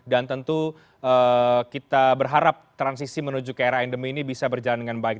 dan tentu kita berharap transisi menuju ke era endem ini bisa berjalan dengan baik